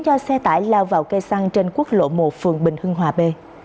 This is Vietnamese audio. cho xe tải lao vào cây xăng trên quốc lộ một phường bình hưng hòa b